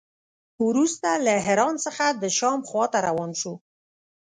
وروسته له حران څخه د شام خوا ته روان شو.